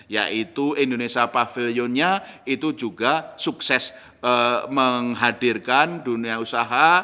yaitu indonesia pavilionnya itu juga sukses menghadirkan dunia usaha